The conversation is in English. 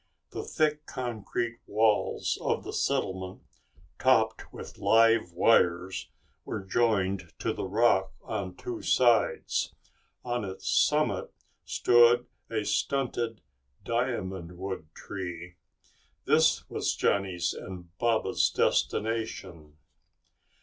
The thick concrete walls of the settlement, topped with live wires, were joined to the rock on two sides. On its summit, stood a stunted diamond wood tree. This was Johnny's and Baba's destination.